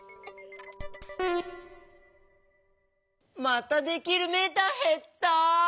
またできるメーターへった。